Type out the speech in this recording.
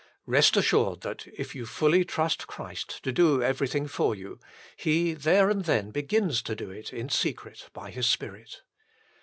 Eest assured that, if you fully trust Christ to do everything for you, He there and then begins to do it in secret by His Spirit.